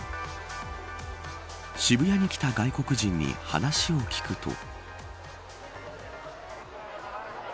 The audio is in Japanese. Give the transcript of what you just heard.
渋谷に来た外国人に話を聞くと。